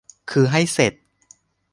คือให้เสร็จ